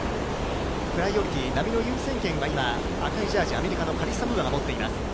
プライオリティー、波の優先権は赤いジャージー、アメリカのカリッサ・ムーアが持っています。